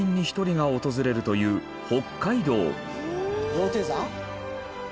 羊蹄山？